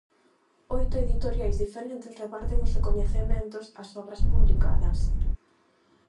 Oito editoriais diferentes reparten os recoñecementos ás obras publicadas.